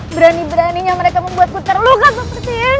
berani beraninya mereka membuatku terluka seperti ya